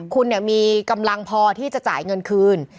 คุณมีกำลังพอที่จะจ่ายเงินคืน